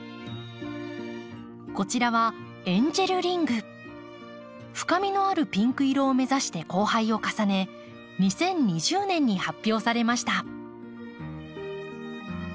こちらは深みのあるピンク色を目指して交配を重ね２０２０年に発表されました。